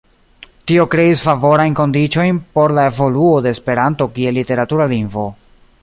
Tio kreis favorajn kondiĉojn por la evoluo de Esperanto kiel literatura lingvo.